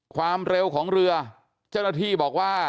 ความเร็วของเรือเจ้าหน้าที่บอกว่า